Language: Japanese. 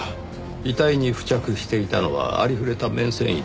遺体に付着していたのはありふれた綿繊維でした。